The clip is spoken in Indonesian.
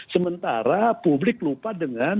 sementara publik lupa dengan